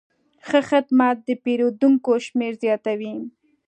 ښه خدمت د پیرودونکو شمېر زیاتوي.